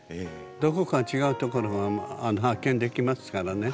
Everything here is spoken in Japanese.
どこか違うところが発見できますからね。